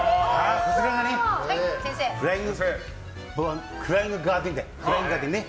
こちらがねフライングガーデンね。